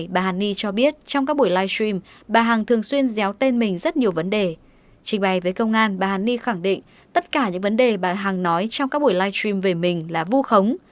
bà hàn ni khẳng định tất cả những vấn đề bà hằng nói trong các buổi live stream về mình là vu khống